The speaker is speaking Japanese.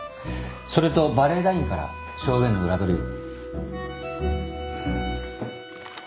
それとバレエ団員から証言の裏取りを。